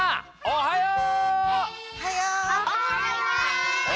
おはよう。